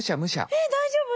えっ大丈夫？